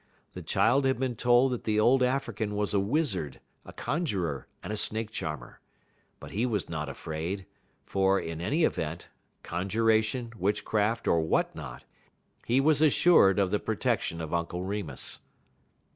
The child had been told that the old African was a wizard, a conjurer, and a snake charmer; but he was not afraid, for, in any event, conjuration, witchcraft, or what not, he was assured of the protection of Uncle Remus.